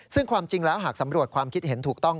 ซึ่งความจริงแล้วหากสำรวจความคิดเห็นถูกต้อง